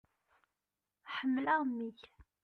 Ḥemmleɣ mmi-k.